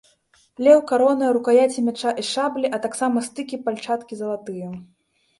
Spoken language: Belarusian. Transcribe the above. Леў, карона, рукаяці мяча і шаблі, а таксама стыкі пальчаткі залатыя.